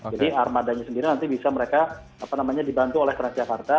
jadi armadanya sendiri nanti bisa mereka apa namanya dibantu oleh transjakarta